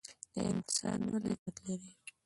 انسان ولې کرامت لري؟